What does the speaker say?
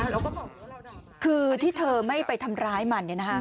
เราก็บอกว่าเราด่าหมาคือที่เธอไม่ไปทำร้ายมันเนี่ยนะคะ